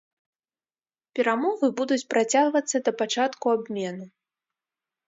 Перамовы будуць працягвацца да пачатку абмену.